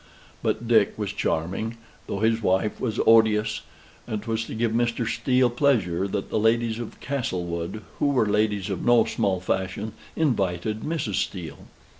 But Dick was charming, though his wife was odious, and 'twas to give Mr. Steele pleasure, that the ladies of Castlewood, who were ladies of no small fashion, invited Mrs. Steele.